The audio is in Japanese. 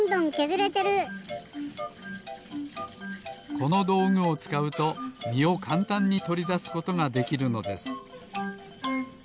このどうぐをつかうとみをかんたんにとりだすことができるのです。